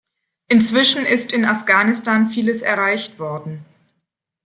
Inzwischen ist in Afghanistan Vieles erreicht worden.